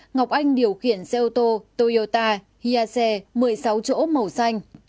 ngọc anh điều khiển xe ô tô toyota iase một mươi sáu chỗ màu xanh